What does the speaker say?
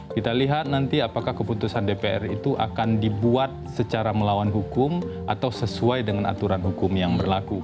kita lihat nanti apakah keputusan dpr itu akan dibuat secara melawan hukum atau sesuai dengan aturan hukum yang berlaku